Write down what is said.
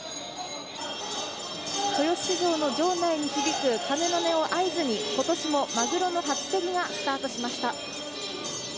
豊洲市場の場内に響く鐘の音を合図に今年もマグロの初競りがスタートしました。